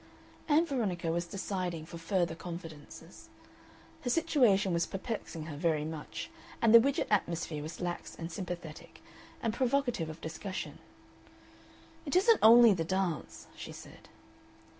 Ann Veronica was deciding for further confidences. Her situation was perplexing her very much, and the Widgett atmosphere was lax and sympathetic, and provocative of discussion. "It isn't only the dance," she said.